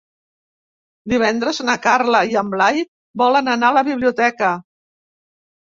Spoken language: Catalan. Divendres na Carla i en Blai volen anar a la biblioteca.